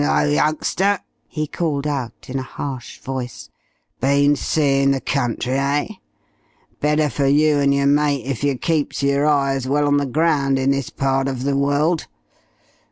"Hullo, youngster!" he called out in a harsh voice. "Been seein' the country eh? Better fer you and yer mate if yer keeps yer eyes well on the ground in this part uv the world.